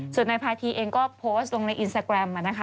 ส่วนนายพาธีเองก็โพสต์ลงในอินสตาแกรมนะคะ